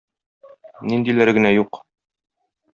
Ниндиләре генә юк!